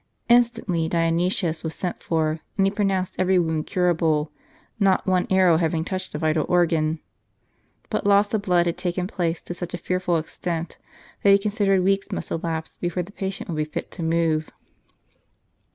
Instantly Dionysius was sent for, and he pronounced every wound curable ; not one arrow having touched a vital organ. But loss of blood had taken place to such a fearful extent, that he considered weeks must elapse before the patient would be fit to move.